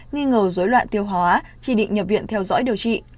nghi ngờ dối loạn tiêu hóa chỉ định nhập viện theo dõi điều trị